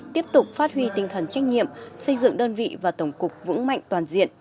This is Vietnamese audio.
tiếp tục phát huy tinh thần trách nhiệm xây dựng đơn vị và tổng cục vững mạnh toàn diện